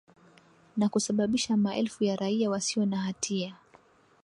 na kusababisha maelfu ya raia wasio na hatia